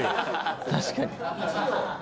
確かに。